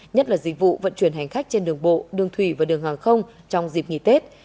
nhất là dịch vụ vận chuyển hành khách trên đường bộ đường thủy và đường hàng không trong dịp nghỉ tết